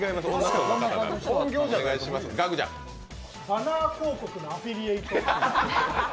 バナー広告のアフィリエイト。